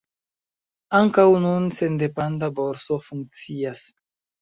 Ankaŭ nun sendependa borso funkcias.